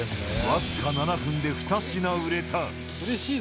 僅か７分で２品売れた。